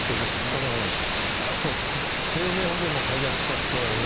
ただね生命保険も解約しちゃって俺。